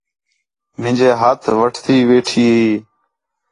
مینجے ہتھ وٹھتی ویٹھی ہی